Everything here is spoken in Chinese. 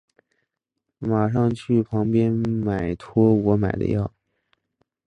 马上去旁边买托我买的药